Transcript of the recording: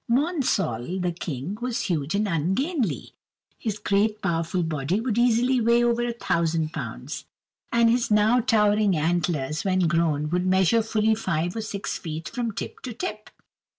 Monsall, the King, was huge and ungainly. His great, powerful body would easily weigh over a thousand pounds, and his now towering antlers, when grown, would measure fully five or six feet from tip to tip.